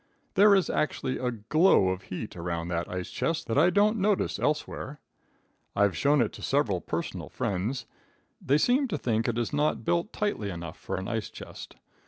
There is actually a glow of heat around that ice chest that I don't notice elsewhere. I've shown it to several personal friends. They seem to think it is not built tightly enough for an ice chest.